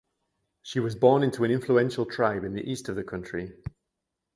She was born into an influential tribe in the east of the country.